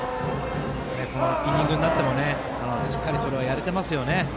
このイニングになってもしっかりそれをやれてますよね。